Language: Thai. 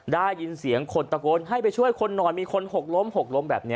ได้ยินเสียงขนตะโกนให้ช่วยคนนอนมีคนหกล้ม